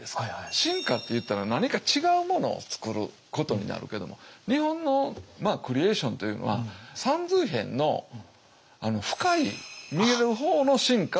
進化っていったら何か違うものをつくることになるけども日本のクリエーションというのはさんずい偏の深い見える方の深化を。